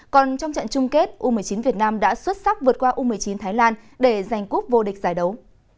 còn trong trận chung kết u một mươi chín việt nam đã xuất sắc vượt qua u một mươi chín thái lan để giành quốc vô địch giải đấu